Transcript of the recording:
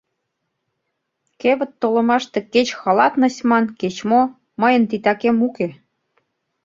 Кевыт толымаште кеч халатность ман, кеч мо — мыйын титакем уке.